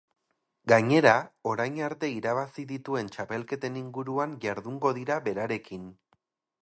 Gainera, orain arte irabazi dituen txapelketen inguruan jardungo dira berarekin.